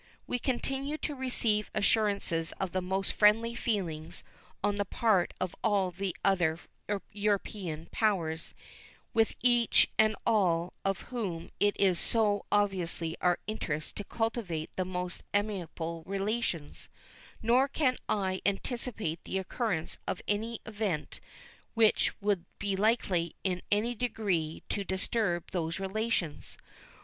We continue to receive assurances of the most friendly feelings on the part of all the other European powers, with each and all of whom it is so obviously our interest to cultivate the most amicable relations; nor can I anticipate the occurrence of any event which would be likely in any degree to disturb those relations.